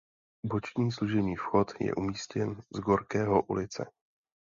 Boční služební vchod je umístěn z Gorkého ulice.